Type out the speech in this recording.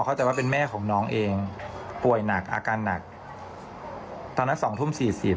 เขาจะว่าเป็นแม่ของน้องเองป่วยหนักอาการหนักตั้งนั้น๒ทุ่ม